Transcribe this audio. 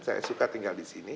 saya suka tinggal di sini